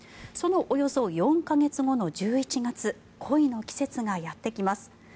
そのおよそ４か月後の１１月恋の季節がやってきます。